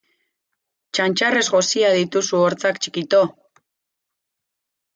Txantxarrez josia dituzu hortzak txikito!